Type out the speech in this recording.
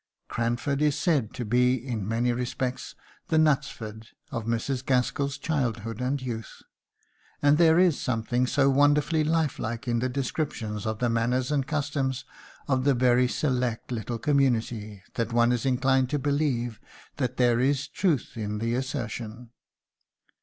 Cranford is said to be in many respects the Knutsford of Mrs. Gaskell's childhood and youth, and there is something so wonderfully lifelike in the descriptions of the manners and customs of the very select little community that one is inclined to believe that there is truth in the assertion.